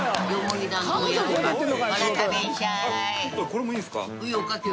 これもいいんですか？